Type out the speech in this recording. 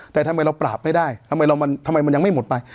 แต่ทำไมเราปราบไม่ได้ทำไมเรามันทำไมมันยังไม่หมดไป